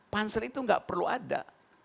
panser itu gak perlu ada